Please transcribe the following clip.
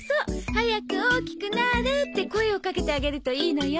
「早く大きくなれ」って声をかけてあげるといいのよ。